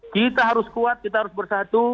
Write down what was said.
kita harus kuat kita harus bersatu